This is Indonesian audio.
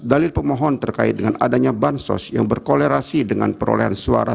dalil pemohon terkait dengan adanya bansos yang berkolerasi dengan perolehan suara